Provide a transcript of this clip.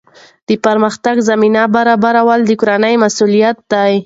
د پرمختګ زمینه برابرول د کورنۍ مسؤلیت دی.